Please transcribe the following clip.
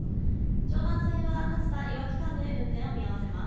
常磐線は勝田・いわき間で運転を見合わせます。